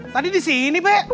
tadi di sini pe